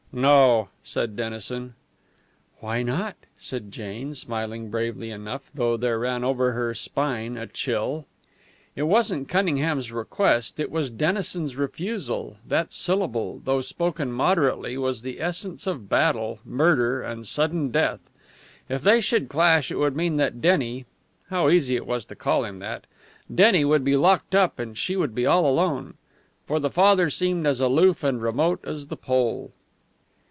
"No!" said Dennison. "Why not?" said Jane, smiling bravely enough, though there ran over her spine a chill. It wasn't Cunningham's request it was Dennison's refusal. That syllable, though spoken moderately, was the essence of battle, murder, and sudden death. If they should clash it would mean that Denny how easy it was to call him that! Denny would be locked up and she would be all alone. For the father seemed as aloof and remote as the pole.